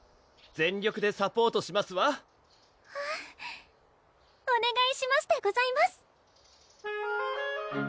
全力でサポートしますわお願いしますでございます